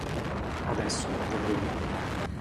Adesso, vedremo.